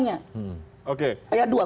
dari rekan rekan cnn sendiri